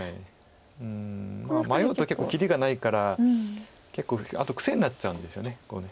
迷うと結構きりがないから結構あと癖になっちゃうんですよね。